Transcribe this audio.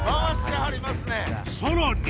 さらに。